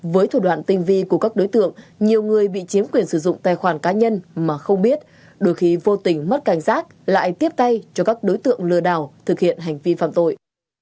với thủ đoạn tinh vi của các đối tượng nhiều người bị chiếm quyền sử dụng tài khoản cá nhân mà không biết đôi khi vô tình mất cảnh giác lại tiếp tay cho các đối tượng lừa đảo thực hiện hành vi phạm tội